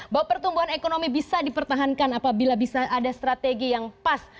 bahwa pertumbuhan ekonomi bisa dipertahankan apabila bisa ada strategi yang pas